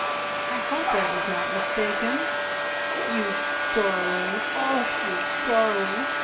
I hoped I was not mistaken." "You darling! Oh, you darling!"